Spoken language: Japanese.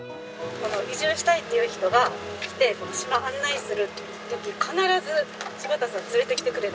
移住したいっていう人が来てこの島を案内する時必ず柴田さん連れてきてくれるんです。